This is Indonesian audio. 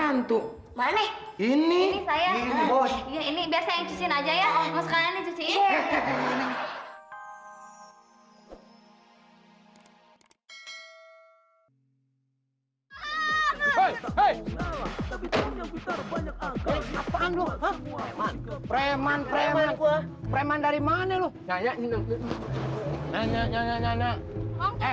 hai hai hai hai hai hai apaan lu preman preman preman dari mana lu nyanyi nyanyi nyanyi nyanyi